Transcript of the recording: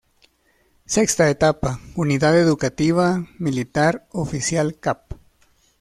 Sexta Etapa: Unidad Educativa Militar Oficial Cap.